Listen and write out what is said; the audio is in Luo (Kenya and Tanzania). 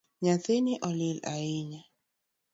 Nyathini olil ahinya